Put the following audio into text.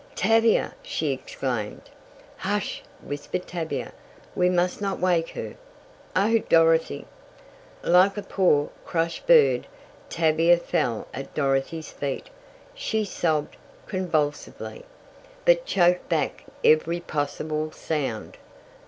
"Tavia!" she exclaimed. "Hush!" whispered Tavia. "We must not wake her. Oh, Dorothy!" Like a poor, crushed bird Tavia fell at Dorothy's feet. She sobbed convulsively, but choked back every possible sound.